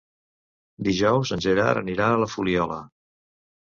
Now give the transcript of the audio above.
Dijous en Gerard anirà a la Fuliola.